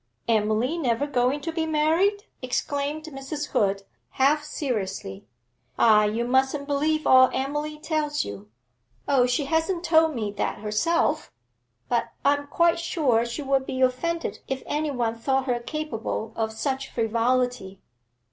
'Emily never going to be married?' exclaimed Mrs. Hood, half seriously. 'Ah, you mustn't believe all Emily tells you.' 'Oh, she hasn't told me that herself, but I'm quite sure she would be offended if any one thought her capable of such frivolity.'